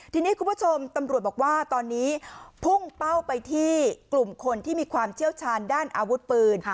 ทีนี้คุณผู้ชมตำรวจบอกว่าตอนนี้พุ่งเป้าไปที่กลุ่มคนที่มีความเชี่ยวชาญด้านอาวุธปืน